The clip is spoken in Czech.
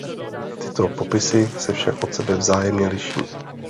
Tyto popisy se však od sebe vzájemně liší.